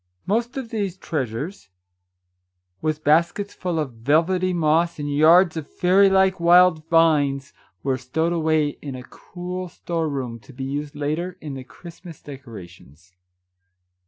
Most of these treasures, with 71 72 Our Little Canadian Cousin baskets full of velvety moss and yards of fairy like wild vines, were stowed away in a cool storeroom to be used later in the Christ mas decorations.